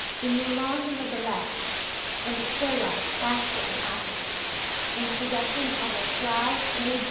"The Moulin de la Galette," and a still life, "Basket and Apples," in the possession of Frau A.